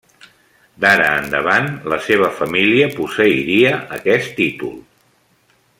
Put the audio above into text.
D'ara endavant, la seva família posseiria aquest títol.